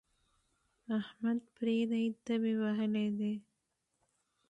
احمد پردۍ تبې وهلی دی.